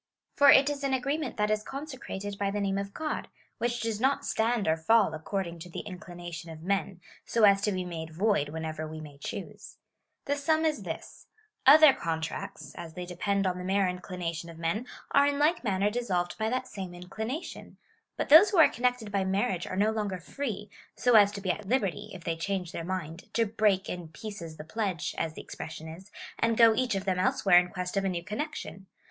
For it is an agreement that is conse crated by the name of God, which does not stand or fall according to the inclination of men, so as to be made void whenever Ave may choose, ^^he sum is this : other contracts, as they depend on the mere inclination of men, are in like manner dissolved by that same inclination ; but those who are connected by marriage are no longer free, so as to be at liljerty, if they change their mind, to break in pieces the 2jledge,~ (as the expression is,) and go each of them elsewhere in quest of a new connection.